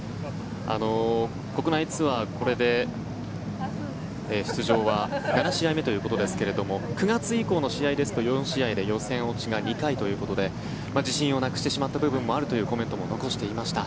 国内ツアー、これで出場は７試合目ということですが９月以降の試合ですと、４試合で予選落ちが２回ということで自信をなくしてしまった部分もあるというコメントを残していました。